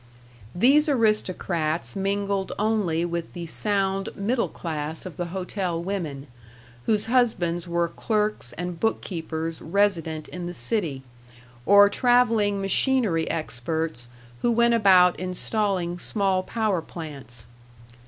These aristocrats mingled only with the sound middle class of the hotel women, whose husbands were clerks and bookkeepers resident in the city, or traveling machinery experts who went about installing small power plants.